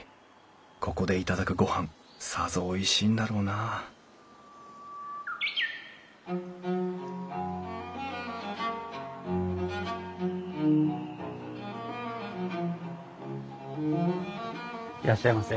ここで頂くごはんさぞおいしいんだろうないらっしゃいませ。